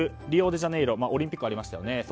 リオデジャネイロオリンピックがありましたよね。